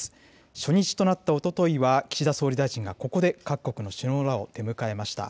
初日となったおとといは、岸田総理大臣がここで各国の首脳らを出迎えました。